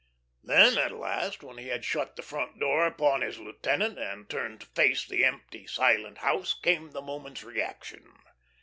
Then at last, when he had shut the front door upon his lieutenant and turned to face the empty, silent house, came the moment's reaction.